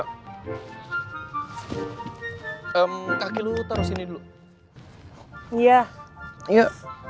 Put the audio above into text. hai em kaki lu taruh sini dulu iya iya